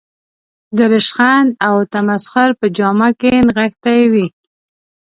د رشخند او تمسخر په جامه کې نغښتې وي.